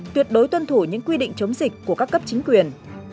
tuyệt đối tuân thủ những quy định chống dịch của các cấp chính quyền